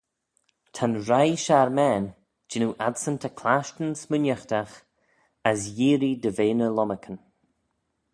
Ta'n reih sharmane jannoo adsyn ta clashtyn smooinaghtagh as yeearree dy ve ny lomarcan.